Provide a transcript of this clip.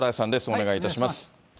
お願いいたします。